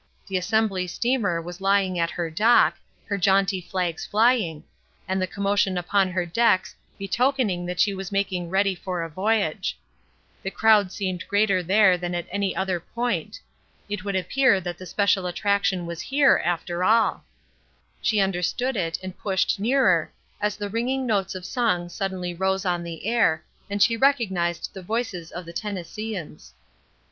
The Assembly steamer was lying at her dock, her jaunty flags flying, and the commotion upon her decks betokening that she was making ready for a voyage. The crowd seemed greater there than at any other point. It would appear that the special attraction was here, after all. She understood it, and pushed nearer, as the ringing notes of song suddenly rose on the air, and she recognized the voices of the Tennesseeans.